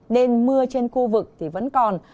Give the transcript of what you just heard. nên mưa trên khu vực thì vẫn còn